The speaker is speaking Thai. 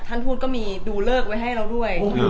ท่านทูตก็มีดูเลิกไว้ให้เราด้วย